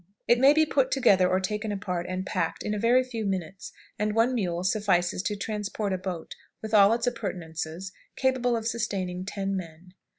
It may be put together or taken apart and packed in a very few minutes, and one mule suffices to transport a boat, with all its appurtenances, capable of sustaining ten men.